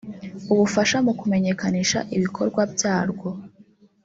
ubufasha mu kumenyekanisha ibikorwa byarwo